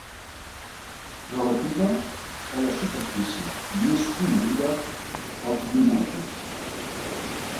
Relativa a la superfície més coneguda pels llunàtics.